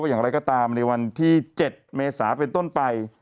อย่างไรก็ตามในวันที่๗เมษาเป็นต้นไป